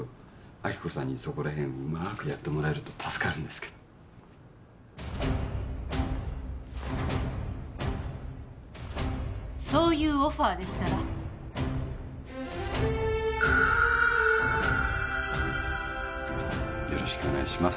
亜希子さんにそこら辺うまくやってもらえると助かるんですけどそういうオファーでしたらよろしくお願いします